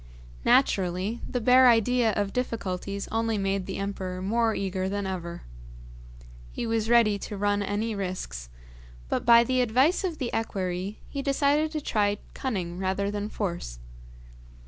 Naturally, the bare idea of difficulties only made the emperor more eager than ever. He was ready to run any risks, but, by the advice of the equerry, he decided to try cunning rather than force.